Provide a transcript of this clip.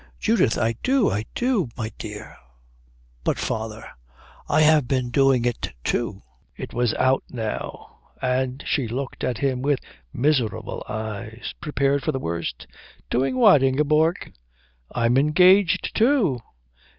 Judith, I do, I do, my dear. But father, I've been doing it too." It was out now, and she looked at him with miserable eyes, prepared for the worst. "Doing what, Ingeborg?" "I'm engaged, too."